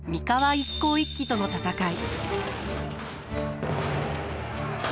一向一揆との戦い。